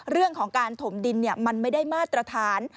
เรื่องของการถมดินมันไม่ได้มาตรฐาน